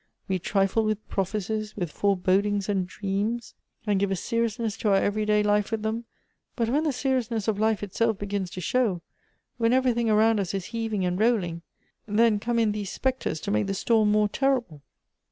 We trifle with prophecies, with forebodings, and dreams, and give a seriousness to our every day life with them; but when the seriousness of life itself begins to show, when every thing around us is heaving and rolling, then come in these spectres to make the storm more terrible."